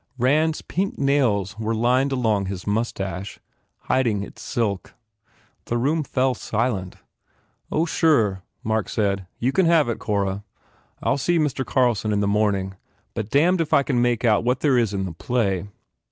Rand s pink nails were lined along his moustache, hiding its silk. The room fell silent. "Oh, sure," Mark said, "You can have it, Cora. I ll see Mr. Carlson in the morning. ... But damned if I can make out what there is in the play."